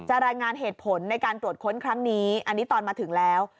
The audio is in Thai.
รายงานเหตุผลในการตรวจค้นครั้งนี้อันนี้ตอนมาถึงแล้ว